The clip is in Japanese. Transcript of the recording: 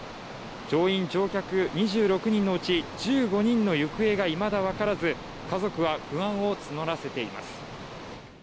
乗員乗客２６人のうち１５人の行方がいまだわからず家族は不安を募らせています